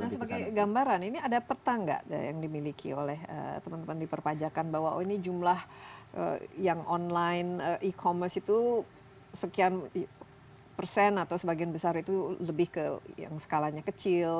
nah sebagai gambaran ini ada peta nggak yang dimiliki oleh teman teman di perpajakan bahwa oh ini jumlah yang online e commerce itu sekian persen atau sebagian besar itu lebih ke yang skalanya kecil